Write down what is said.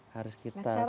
harus kita training